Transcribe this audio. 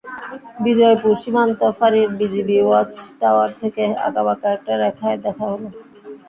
বিজয়পুর সীমান্ত ফাঁড়ির BGB watch tower থেকে আঁকাবাঁকা একটা রেখায় দেখা হলো।